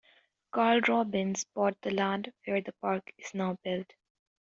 Karl Robbins bought the land where the park is now built.